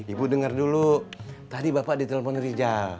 ibu dengar dulu tadi bapak ditelepon rijal